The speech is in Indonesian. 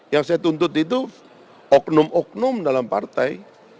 yang saya tuntut itu oknum oknum dalam partai